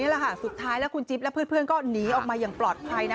แหละค่ะสุดท้ายแล้วคุณจิ๊บและเพื่อนก็หนีออกมาอย่างปลอดภัยนะ